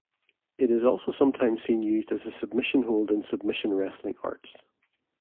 It is also sometimes seen used as a submission hold in submission wrestling arts.